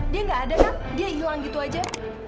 dia gak ada kan dia ilang gitu aja